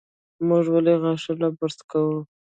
موږ ولې غاښونه برس کوو؟